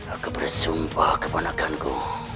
aku bersumpah kepanakanku